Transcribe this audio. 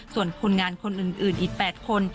ส่วนคนงานคนอื่นอีก๘คน